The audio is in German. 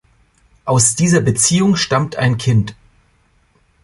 Aus dieser Beziehung stammt ein Kind.